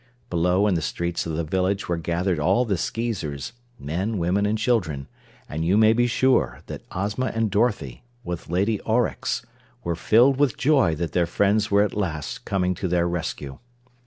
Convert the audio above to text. Below in the streets of the village were gathered all the Skeezers, men, women and children, and you may be sure that Ozma and Dorothy, with Lady Aurex, were filled with joy that their friends were at last coming to their rescue.